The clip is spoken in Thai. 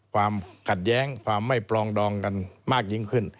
ความขัดแย้งความไม่ปรองดองกันมากยิ่งขึ้น